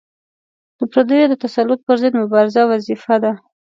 د پردیو د تسلط پر ضد مبارزه وظیفه ده.